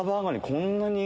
こんなに。